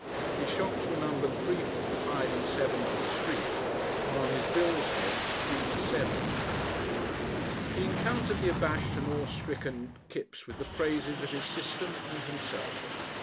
His shops were numbered 3, 5 and 7 on the street, and on his billheads 3 to 7. He encountered the abashed and awestricken Kipps with the praises of his system and himself.